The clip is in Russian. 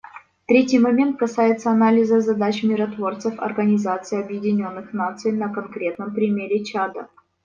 Третий момент касается анализа задач миротворцев Организации Объединенных Наций на конкретном примере Чада.